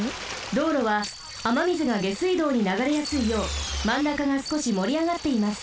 どうろはあま水が下水道にながれやすいようまんなかがすこしもりあがっています。